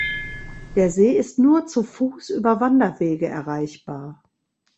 Der See ist nur zu Fuss über Wanderwege erreichbar.